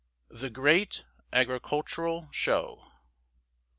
THE GREAT AGRICULTURAL SHOW.